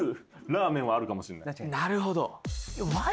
なるほど。